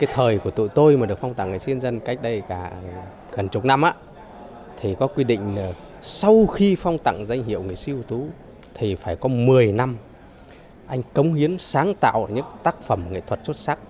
phải có một mươi năm anh cống hiến sáng tạo những tác phẩm nghệ thuật xuất sắc